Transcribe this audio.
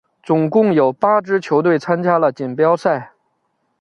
总共有八支球队参加了锦标赛。